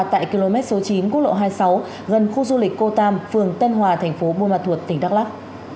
tại km số chín quốc lộ hai mươi sáu gần khu du lịch cô tam phường tân hòa tp bùi mặt thuột tỉnh đắk lắk